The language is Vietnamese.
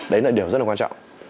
đấy là điều rất là quan trọng